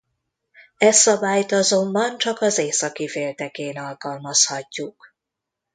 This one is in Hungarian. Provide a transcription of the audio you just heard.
E szabályt azonban csak az északi féltekén alkalmazhatjuk.